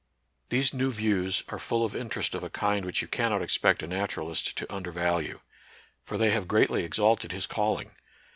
These new views are full of interest of a kind which you cannot expect a naturalist to under value. For they have greatly exalted his call ing.